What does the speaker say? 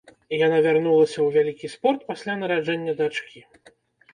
Яна вярнулася ў вялікі спорт пасля нараджэння дачкі.